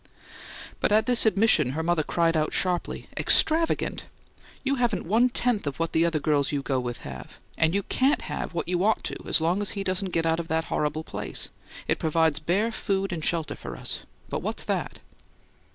But at this admission her mother cried out sharply. "'Extravagant!' You haven't one tenth of what the other girls you go with have. And you CAN'T have what you ought to as long as he doesn't get out of that horrible place. It provides bare food and shelter for us, but what's that?"